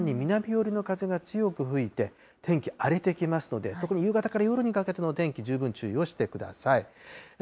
そして、風も全般に南寄りの風が強く吹いて、天気、荒れてきますので、特に夕方から夜にかけての天気、十分注意をしてください。